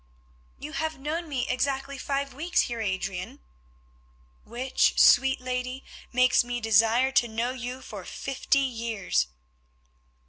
"You have known me exactly five weeks, Heer Adrian——" "Which, sweet lady, makes me desire to know you for fifty years."